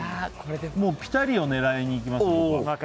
ぴたりを狙いにいきます。